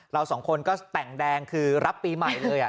เราสองคนก็แต่งแดงคือรับปีใหม่เลย